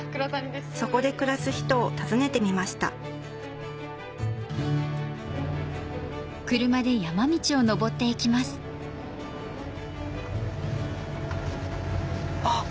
そこで暮らす人を訪ねてみましたあっ！